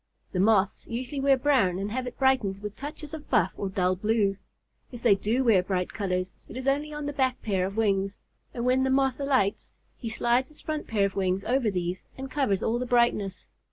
The Moths usually wear brown and have it brightened with touches of buff or dull blue. If they do wear bright colors, it is only on the back pair of wings, and when the Moth alights, he slides his front pair of wings over these and covers all the brightness.